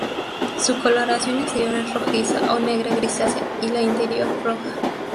Su coloración exterior es rojiza o negra grisácea y la interior roja.